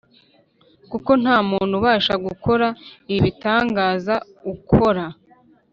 kuko nta muntu ubasha gukora ibi bitangaza ukora